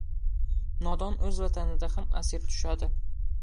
• Nodon o‘z vatanida ham asir tushadi.